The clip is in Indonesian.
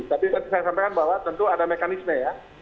tapi tadi saya sampaikan bahwa tentu ada mekanisme ya